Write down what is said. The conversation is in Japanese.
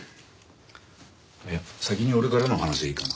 先に俺からの話でいいかな？